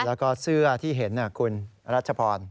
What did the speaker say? แล้วก็เสื้อที่เห็นคุณรัชพร